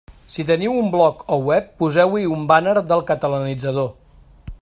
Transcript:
Si teniu un bloc o web, poseu-hi un bàner del Catalanitzador.